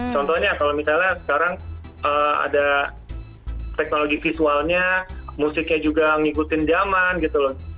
contohnya kalau misalnya sekarang ada teknologi visualnya musiknya juga ngikutin zaman gitu loh